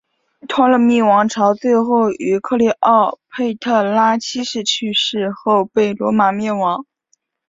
托勒密王朝最后于克丽奥佩特拉七世去世后被罗马灭亡。